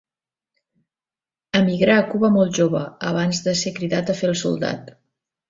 Emigrà a Cuba molt jove, abans de ser cridat a fer el soldat.